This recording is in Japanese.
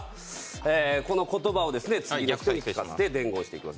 この言葉を次の方に聞かせて伝言していきます。